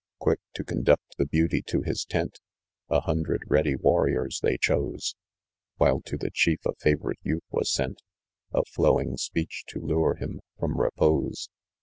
Quick to conduct the beauty to his tent, A hundred ready warriors they chose, While to the chief a favourite youth was sent, Of flowing speech to lure him from repose.